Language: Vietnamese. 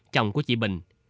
chồng của chị bình